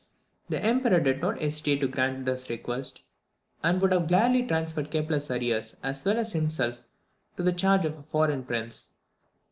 The Emperor did not hesitate to grant this request; and would have gladly transferred Kepler's arrears as well as himself to the charge of a foreign prince.